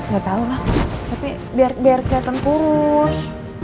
gatau lah tapi biar keliatan kurus